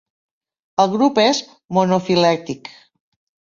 El grup és monofilètic.